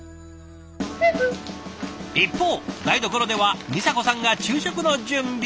一方台所では美佐子さんが昼食の準備。